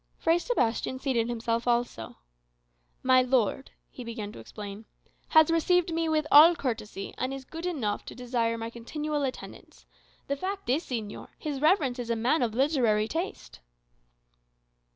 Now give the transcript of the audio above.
Fray Sebastian seated himself also. "My lord," he began to explain, "has received me with all courtesy, and is good enough to desire my continual attendance. The fact is, señor, his reverence is a man of literary taste."